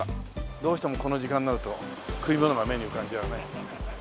どうしてもこの時間になると食い物が目に浮かんじゃうね。